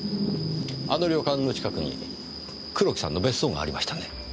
あの旅館の近くに黒木さんの別荘がありましたね。